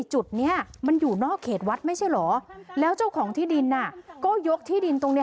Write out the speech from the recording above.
จุดนี้มันอยู่นอกเขตวัดไม่ใช่เหรอแล้วเจ้าของที่ดินก็ยกที่ดินตรงนี้